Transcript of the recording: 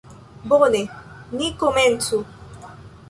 Bone, ni komencu.